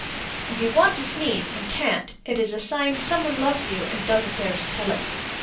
If you want to sneeze and can't, it is a sign some one loves you, and doesn't dare to tell it.